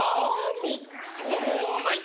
みっともない。